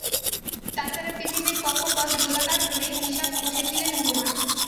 তাছাড়া পৃথিবীর কক্ষপথ গোলাকার ধরে হিসাব কষেছিলেন রোমার।